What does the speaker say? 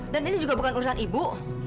dan ini juga bukan urusan ibu